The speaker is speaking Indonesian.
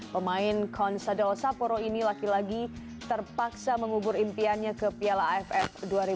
pemain kon sadel saporo ini laki laki terpaksa mengubur impiannya ke plaff dua ribu enam belas